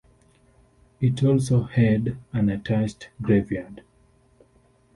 It also had an attached graveyard.